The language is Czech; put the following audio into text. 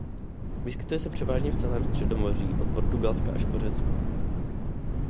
Vyskytuje se převážně v celém Středomoří od Portugalska až po Řecko.